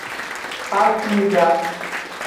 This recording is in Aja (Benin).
Pasingja.